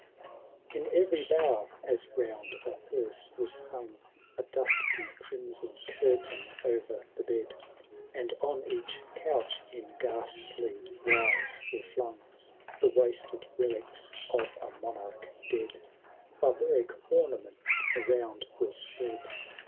V. In every bower, as round a heane^ was hung A dusky crimson curtain o*er the bed. And on each couch in ghastly wise were flung 186 HAROLD THE DAUNTLB88. Ccmto VI, The wasted relics of a monazdi dead ; Barbaric onuunents around were spread.